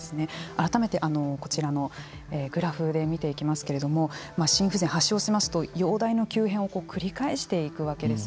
改めてこちらのグラフで見ていきますけれども心不全、発症しますと容体の急変を繰り返していくわけです